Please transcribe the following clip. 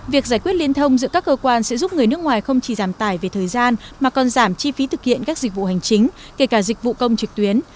việc giải quyết liên thông giữa các cơ quan sẽ giúp người nước ngoài không chỉ giảm tải về thời gian mà còn giảm chi phí thực hiện các dịch vụ hành chính kể cả dịch vụ công trực tuyến